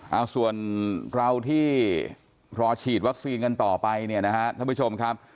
เอาส่วนเราที่รอฉีดวัคซีนกันต่อไปเนี่ยนะฮะท่านผู้ชมครับ